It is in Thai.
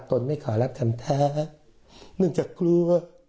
ตนไม่ขอรับคำแท้เนื่องจากกลัว